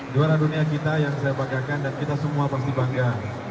juara dunia kita yang saya banggakan dan kita semua pasti bangga